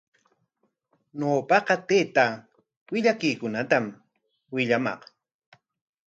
Ñawpaqa taytaa willakuykunatami willamaq.